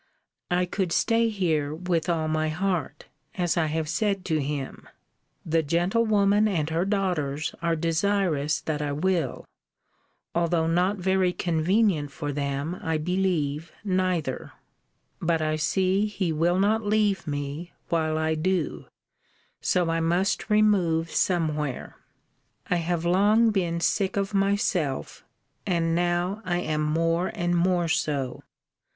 I could stay here with all my heart, as I have said to him: the gentlewoman and her daughters are desirous that I will: although not very convenient for them, I believe, neither: but I see he will not leave me, while I do so I must remove somewhere. I have long been sick of myself: and now I am more and more so.